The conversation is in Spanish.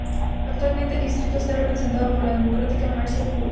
Actualmente el distrito está representado por la Demócrata Marcia Fudge.